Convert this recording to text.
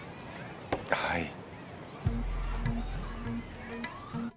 はい。